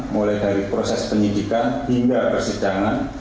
mulai dari proses penyidikan hingga persidangan